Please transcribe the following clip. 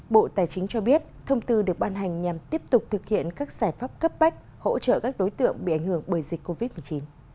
bộ tài chính cho biết thông tư được ban hành nhằm tiếp tục thực hiện các giải pháp cấp bách hỗ trợ các đối tượng bị ảnh hưởng bởi dịch covid một mươi chín